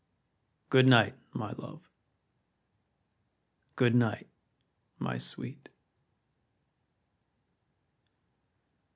Good night, my love! good night, my sweet!